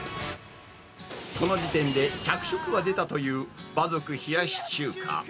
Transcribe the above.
この時点で１００食は出たという馬賊冷やし中華。